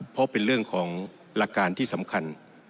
เพราะเป็นเรื่องของหลักการที่สำคัญ